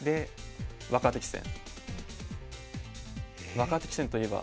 若手棋戦といえば。